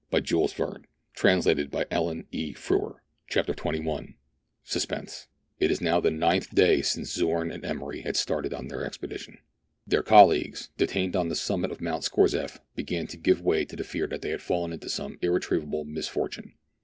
200 MERIDIANA ; THE ADVENTURES OF CHAPTER XXL SUSPENSE. It was now the ninth day since Zorn and Emery had started on their expedition. Their colleagues, detained on the summit of Mount Scorzef, began to give way to the fear that they had fallen into some irretrievable misfortune.